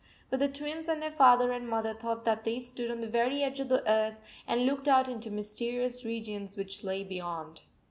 But the Twins and their father and mother thought that they stood on the very edge of the earth and looked out into mysterious regions which lay beyond.